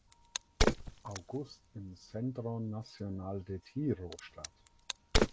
August im Centro Nacional de Tiro statt.